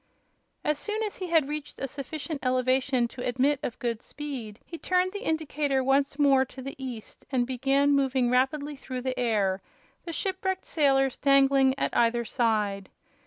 As soon as he had reached a sufficient elevation to admit of good speed he turned the indicator once more to the east and began moving rapidly through the air, the shipwrecked sailors dangling at either side.